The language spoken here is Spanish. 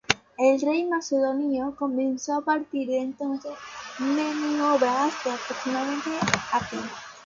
El rey macedonio comenzó a partir de entonces maniobras de aproximación a Atenas.